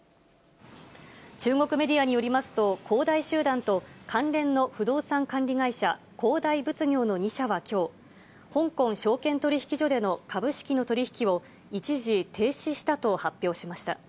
中国メディアによりますと、恒大集団と、関連の不動産管理会社、恒大物業の２社はきょう、香港証券取引所での株式の取り引きを一時停止したと発表しました。